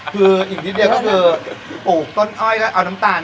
คืออีกนิดเดียวก็คือปลูกต้นอ้อยแล้วเอาน้ำตาล